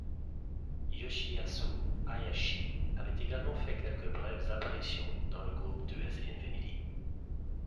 Yoshiyasu Hayashi avait également fait quelques brèves apparitions dans le groupe Do As Infinity.